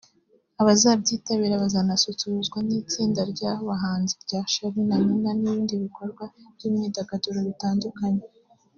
Abazabyitabira bazanasusurutswa n’itsinda ry’abahanzi rya Charly na Nina n’ibindi bikorwa by’imyidagaduro bitandukanye